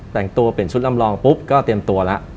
แต่งตัวเปลี่ยนชุดลำรองปุ๊บก็เตรียมตัวแล้ว